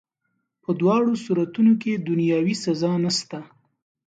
په دواړو صورتونو کي دنیاوي سزا نسته.